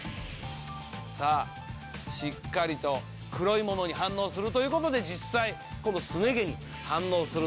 さぁしっかりと黒い物に反応するということで実際このすね毛に反応するのか？